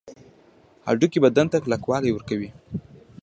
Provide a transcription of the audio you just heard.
هډوکي بدن ته کلکوالی ورکوي